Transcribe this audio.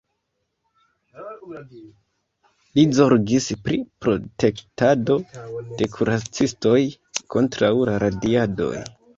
Li zorgis pri protektado de kuracistoj kontraŭ la radiadoj.